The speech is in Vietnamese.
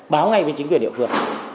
báo ngay với chính quyền địa phương